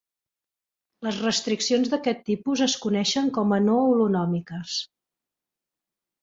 Les restriccions d'aquest tipus es coneixen com a no-holonòmiques.